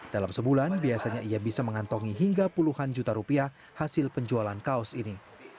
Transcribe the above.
dalam sebulan biasanya ia bisa mengantongi hingga puluhan juta rupiah hasil penjualan kaos ini